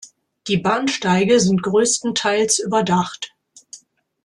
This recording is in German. Die Bahnsteige sind größtenteils überdacht.